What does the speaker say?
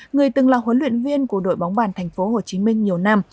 người từng là huấn luyện viên của đội bóng bàn thành phố hồ chí minh nhiều năm